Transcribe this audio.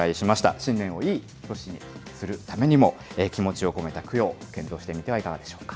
新年をいい年にするためにも、気持ちを込めた供養を検討してみてはいかがでしょうか。